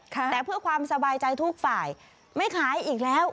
แต่เพื่อความสบายใจทุกฝ่ายไม่ขายอีกแล้ว